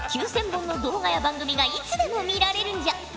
９，０００本の動画や番組がいつでも見られるんじゃ。